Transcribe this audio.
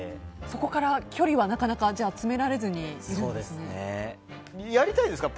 そこから距離はなかなか詰められずにいるんですね。